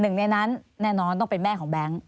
หนึ่งในนั้นแน่นอนต้องเป็นแม่ของแบงค์